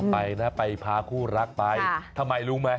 ไปนะไปพาคู่รักไปทำไมรู้ไหม